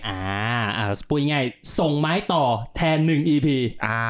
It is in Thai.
อ่าพูดง่ายส่งไม้ต่อแทน๑อีพี